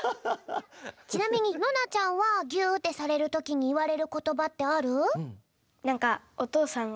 ちなみにノナちゃんはギュってされるときにいわれることばってある？